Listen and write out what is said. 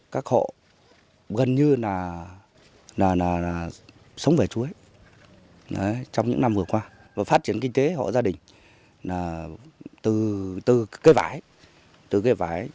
các hộ gần như là sống về chuối trong những năm vừa qua phát triển kinh tế hộ gia đình là từ cây vải